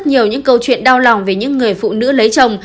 rất nhiều những câu chuyện đau lòng về những người phụ nữ lấy chồng